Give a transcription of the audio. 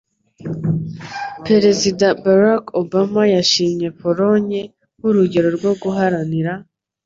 Perezida Barack Obama yashimye Polonye nk'urugero rwo guharanira